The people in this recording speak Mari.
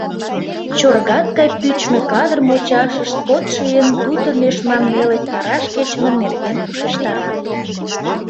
Чоргат гай пӱчмӧ кадыр мучашышт кодшо ийын туто нӧшман неле караш кечыме нерген ушештарат.